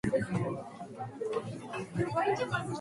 別々のものが、とけあって区別がつかないこと。